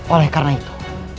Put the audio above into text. oleh karena itu